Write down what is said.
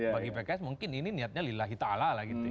bagi pks mungkin ini niatnya lillahi ta'ala lah gitu ya